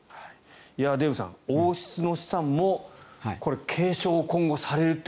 デーブさん、王室の資産も継承が今後されると。